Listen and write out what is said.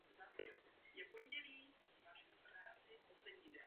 Stuha byla bílá se širokými červenými okraji.